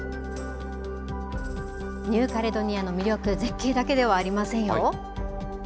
ニューカレドニアの魅力、絶景だけではありませんよ。